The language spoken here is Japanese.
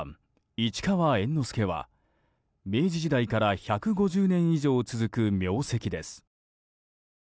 市川猿之助は明治時代から１５０年以上続く名跡です。